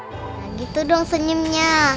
nah gitu dong senyumnya